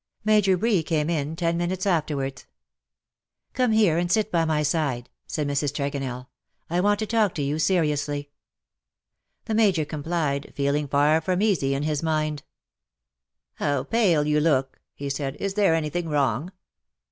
Major Bree came in ten minutes afterwards. " Come here, and sit by my side," said Mrs. Tregonell. " I want to talk to you seriously .'' The Major complied, feeling far from easy in his mind. 246 LE SECRET DE POLICHINELLE. " How pale you look !" he said ;^' is there any thing wrong